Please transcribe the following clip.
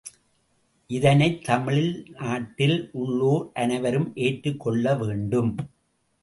இதனைத் தமிழ் நாட்டில் உள்ளோர் அனைவரும் ஏற்றுக் கொள்ள வேண்டும்.